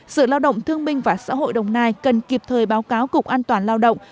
sự lao động thương minh và xã hội đồng nai cần kịp thời báo cáo cục an toàn lao động